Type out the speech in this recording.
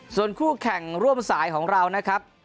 ส่วนคู่แข่งร่วมสายของเรานะครับ